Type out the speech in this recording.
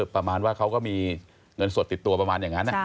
ประมาณว่าเขาก็มีเงินสดติดตัวประมาณอย่างนั้น